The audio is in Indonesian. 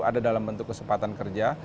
ada dalam bentuk kesempatan kerja